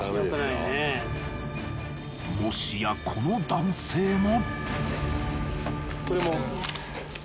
もしやこの男性も。